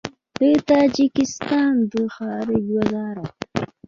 د تاجکستان د خارجه وزارت